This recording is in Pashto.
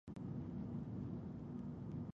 سندرې د عصبي زېرمو ځواک زیاتوي.